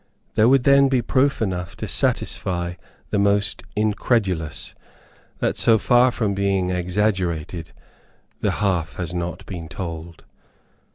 There would then be proof enough to satisfy the most incredulous, that, so far from being exaggerated, the half has not been told.